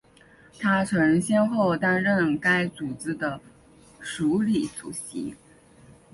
她曾先后担任该组织的署理主席。